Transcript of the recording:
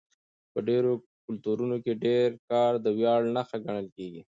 په ډېرو کلتورونو کې ډېر کار د ویاړ نښه ګڼل کېږي.